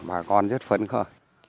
bà con rất phấn khởi